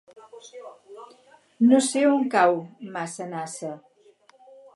No sé on cau Massanassa.